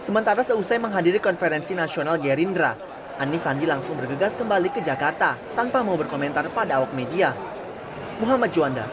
selepas eusai menghadiri konferensi nasional gerindra ani sandi langsung bergegas kembali ke jakarta tanpa mau berkomentar pada awal media